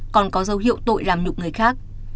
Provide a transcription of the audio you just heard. còn có dấu hiệu tội làm nhục người khác